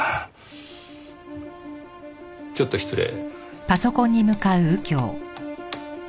ちょっと失礼。